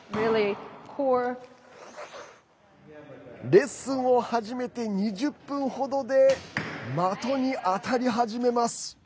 レッスンを始めて２０分程で的に当たり始めます。